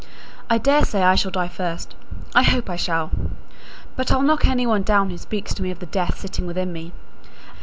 I daresay I shall die first. I hope I shall. But I'll knock any one down who speaks to me of death sitting within me.